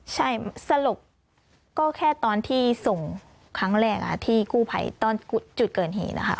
ใช่สลบก็แค่ตอนที่ส่งครั้งแรกที่กู้ไพรตอนจุดเกินเหตุ